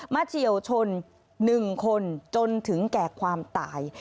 เฉียวชน๑คนจนถึงแก่ความตาย